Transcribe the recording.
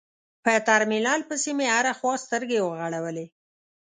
په ترمينل پسې مې هره خوا سترګې وغړولې.